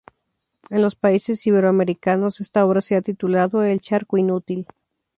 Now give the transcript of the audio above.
En los países iberoamericanos esta obra se ha titulado "el charco inútil".